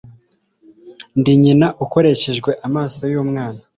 ndi nyina ukoreshejwe amaso yumwana